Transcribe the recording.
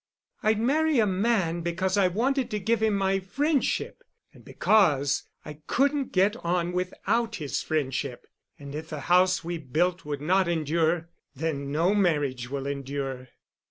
I'd marry a man because I wanted to give him my friendship and because I couldn't get on without his friendship, and if the house we built would not endure, then no marriage will endure."